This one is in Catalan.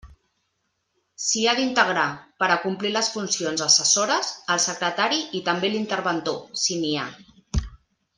S'hi ha d'integrar, per a complir les funcions assessores, el secretari i també l'interventor, si n'hi ha.